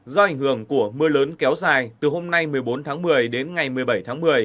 do ảnh hưởng của mưa lớn kéo dài từ hôm nay một mươi bốn tháng một mươi đến ngày một mươi bảy tháng một mươi